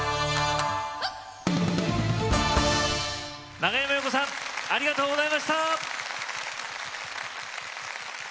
長山洋子さんありがとうございました。